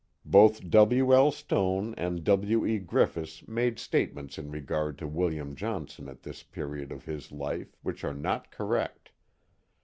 Both W. L, Stone and W. E. Griffis made statements in r^ard to William Johnson at this period of his life which are not correct.